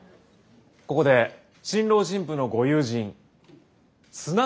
ここで新郎新婦のご友人砂川智